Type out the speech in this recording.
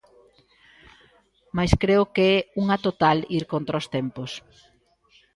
Mais creo que é unha total ir contra os tempos.